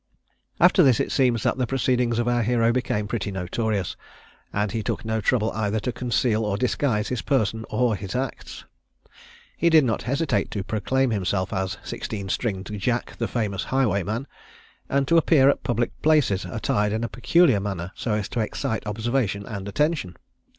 After this it seems that the proceedings of our hero became pretty notorious, and he took no trouble either to conceal or disguise his person or his acts. He did not hesitate to proclaim himself as "Sixteen stringed Jack, the famous highwayman," and to appear at public places attired in a peculiar manner so as to excite observation and attention.